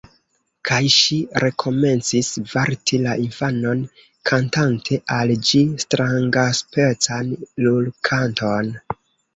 Kaj ŝi rekomencis varti la infanon, kantante al ĝi strangaspecan lulkanton